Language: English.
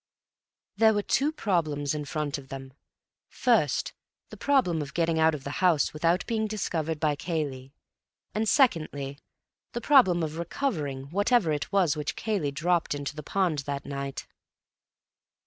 There were two problems in front of them: first, the problem of getting out of the house without being discovered by Cayley, and secondly, the problem of recovering whatever it was which Cayley dropped into the pond that night.